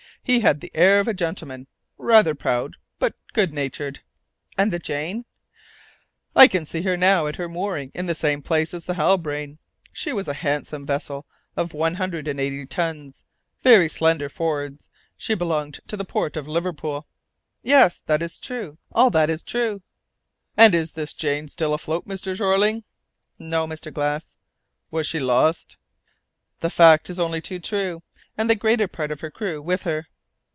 He had the air of a gentleman, rather proud, but good natured." "And the Jane?" "I can see her now at her moorings in the same place as the Halbrane. She was a handsome vessel of one hundred and eighty tons, very slender for'ards. She belonged to the port of Liverpool." "Yes; that is true, all that is true." "And is the Jane still afloat, Mr. Jeorling?" "No, Mr. Glass." "Was she lost?" "The fact is only too true, and the greater part of her crew with her."